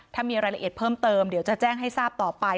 ถ้ามีรายละเอียดเพิ่มเติมเดี๋ยวจะแจ้งให้ทราบต่อไป